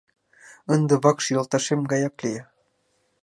Ынде вакш йолташем гаяк лие.